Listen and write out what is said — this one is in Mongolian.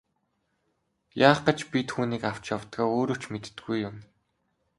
Яах гэж би үүнийг авч явдгаа өөрөө ч мэддэггүй юм.